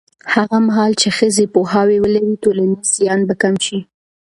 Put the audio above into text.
هغه مهال چې ښځې پوهاوی ولري، ټولنیز زیان به کم شي.